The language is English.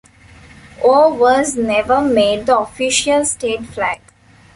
Or was never made the official state flag.